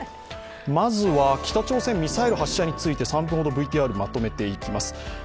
まずは北朝鮮ミサイル発射について３分ほどのＶＴＲにまとめていきます。